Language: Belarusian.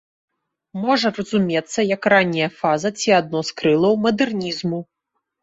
Можа разумецца як ранняя фаза ці адно з крылаў мадэрнізму.